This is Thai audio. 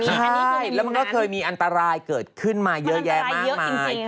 ใช่แล้วมันก็เคยมีอันตรายเกิดขึ้นมาเยอะแยะมากมาย